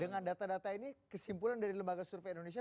dengan data data ini kesimpulan dari lembaga survei indonesia